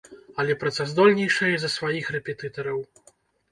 Але працаздольнейшыя за сваіх рэпетытараў.